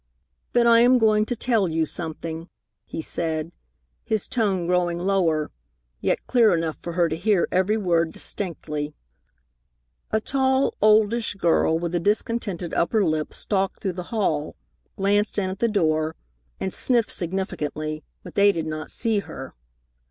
"Then I am going to tell you something," he said, his tone growing lower, yet clear enough for her to hear every word distinctly. A tall, oldish girl with a discontented upper lip stalked through the hall, glanced in at the door, and sniffed significantly, but they did not see her.